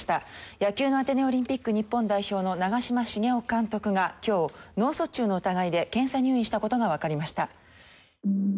野球のアテネオリンピック日本代表の長嶋茂雄監督が今日、脳卒中の疑いで検査入院したことがわかりました。